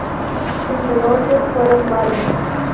Sus negocios fueron varios.